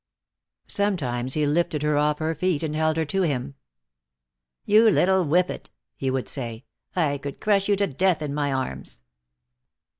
Sometimes he lifted her off her feet and held her to him. "You little whiffet!" he would say. "I could crush you to death in my arms."